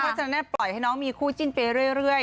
เพราะฉะนั้นปล่อยให้น้องมีคู่จิ้นไปเรื่อย